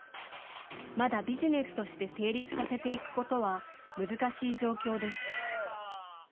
まだビジネスとして成立させていくことは難しい状況です。